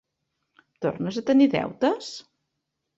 Tornes a tenir deutes?